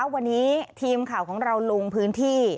วันนี้ทีมข่าวของเราลงพื้นที่